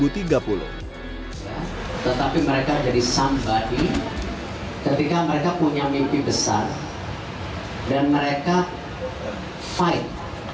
tetapi mereka jadi sun body ketika mereka punya mimpi besar dan mereka fight